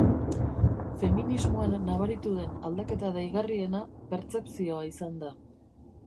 Feminismoan nabaritu den aldaketa deigarriena pertzepzioa izan da.